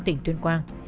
tỉnh tuyên quang